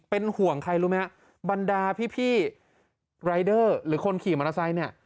เป็นห่วงใครรู้ไหมฮะบรรดาพี่รายเดอร์หรือคนขี่มอเตอร์ไซค์เนี่ย